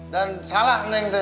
dan salah neng teh